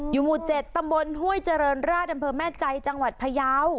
หมู่๗ตำบลห้วยเจริญราชอำเภอแม่ใจจังหวัดพยาว